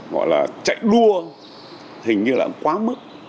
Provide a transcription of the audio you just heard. gọi là chạy đua hình như là quá mức